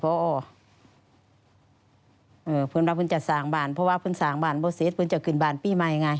เพราะฉะนั้นคุณจัดส่างบ่านเพราะว่าคุณส่างบ่านไม่สิทธิ์คุณจะขึ้นบ่านปีใหม่ไง